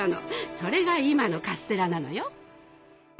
それが今のカステラなのよ。